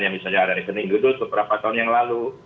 yang misalnya ada rekening gitu beberapa tahun yang lalu